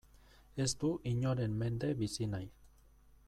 Ez du inoren mende bizi nahi.